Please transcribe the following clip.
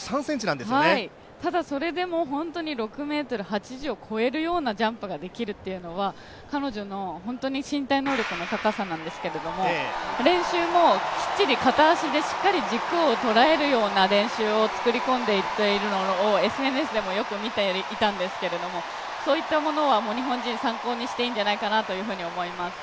ただ、それでも６ｍ８０を超えるようなジャンプができるというのは彼女の身体能力の高さなんですけれども、練習もきっちり片足でしっかり軸を捉えるような練習をしているのをＳＮＳでもよく見ていたんですけれどもそういったものは日本人、参考にしていいんじゃないかなと思います。